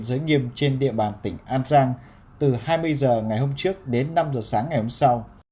giới nghiêm trên địa bàn tỉnh an giang từ hai mươi h ngày hôm trước đến năm h sáng ngày hôm sau